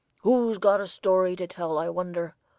"Who's got a story to tell, I wonder?